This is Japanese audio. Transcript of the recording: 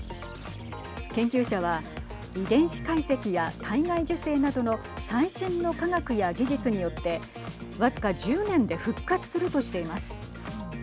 研究者は遺伝子解析や体外受精などの最新の科学や技術によって僅か１０年で復活するとしています。